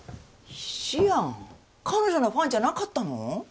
菱やん彼女のファンじゃなかったの？